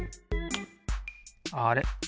あれ？